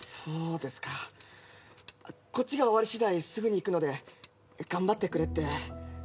こっちが終わりしだいすぐに行くので頑張ってくれって。